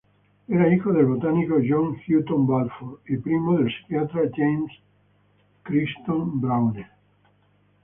Era hijo del botánico John Hutton Balfour, y primo del psiquiatra James Crichton-Browne.